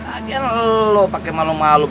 akhirnya lo pakai malu malu